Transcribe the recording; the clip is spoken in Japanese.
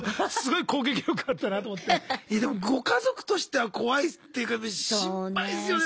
いやでもご家族としては怖いっていうか心配ですよね